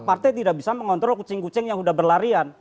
partai tidak bisa mengontrol kucing kucing yang sudah berlarian